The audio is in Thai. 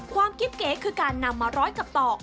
ความเก๊บเก๊คคือการนำมาร้อยกระเปราะ